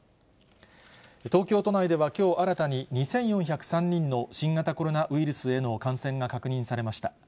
東京都内ではきょう新たに２４０３人の新型コロナウイルスへの感染が確認されました。